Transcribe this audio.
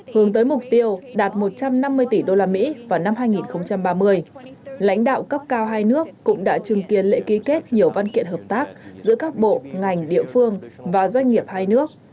hướng tới mục tiêu đạt một trăm năm mươi tỷ usd vào năm hai nghìn ba mươi lãnh đạo cấp cao hai nước cũng đã chứng kiến lễ ký kết nhiều văn kiện hợp tác giữa các bộ ngành địa phương và doanh nghiệp hai nước